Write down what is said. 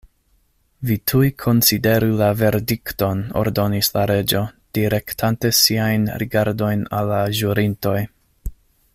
"Vi tuj konsideru la verdikton," ordonis la Reĝo, direktante siajn rigardojn al la ĵurintoj.